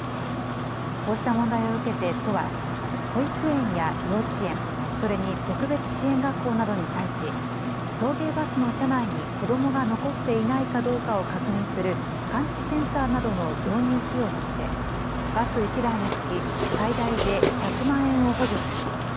こうした問題を受けて都は、保育園や幼稚園、それに特別支援学校などに対し、送迎バスの車内に子どもが残っていないかどうかを確認する感知センサーなどの導入費用として、バス１台につき最大で１００万円を補助します。